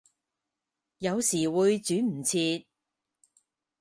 有時會轉唔切